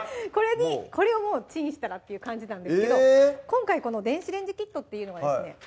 これをもうチンしたらっていう感じなんですけど今回この電子レンジキットっていうのはですね